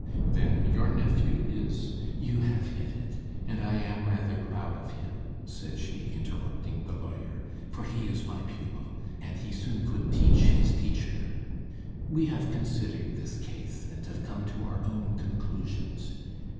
"Then your nephew is " "You have hit it, and I am rather proud of him," said she, interrupting the lawyer, "for he is my pupil, and he soon could teach his teacher. We have considered this case, and have come to our own conclusions.